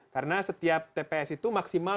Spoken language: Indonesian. karena setiap tps itu maksimal